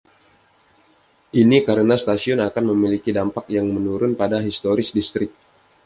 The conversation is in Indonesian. Ini karena stasiun akan memiliki dampak yang menurun pada historis distrik.